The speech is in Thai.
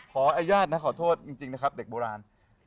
ขออนุญาตนะขอโทษจริงนะครับเด็กโบราณ